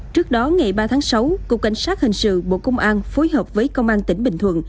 trước đó ngày ba tháng sáu cục cảnh sát hình sự bộ công an phối hợp với công an tỉnh bình thuận